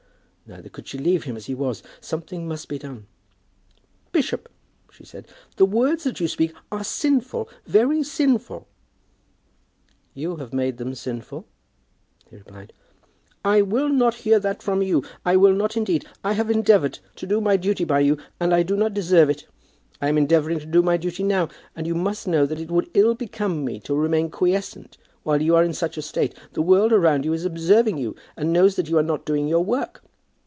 Neither could she leave him as he was. Something must be done. "Bishop," she said, "the words that you speak are sinful, very sinful." "You have made them sinful," he replied. "I will not hear that from you. I will not indeed. I have endeavoured to do my duty by you, and I do not deserve it. I am endeavouring to do my duty now, and you must know that it would ill become me to remain quiescent while you are in such a state. The world around you is observing you, and knows that you are not doing your work.